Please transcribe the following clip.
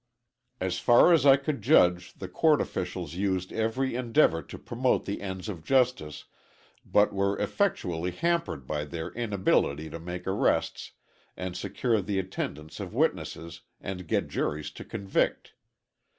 As far as I could judge the court officials used every endeavor to promote the ends of justice, but were effectually hampered by their inability to make arrests and secure the attendance of witnesses and get juries to convict.